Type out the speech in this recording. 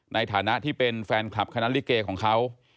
ในฐานะที่เป็นแฟนคลับคณะลิเกของเขา